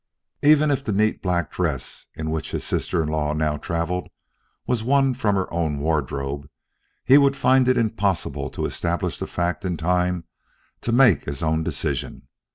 Even if the neat black dress in which her sister in law now traveled was one from her own wardrobe, he would find it impossible to establish the fact in time to make his own decision.